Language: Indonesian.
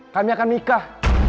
kami akan menikah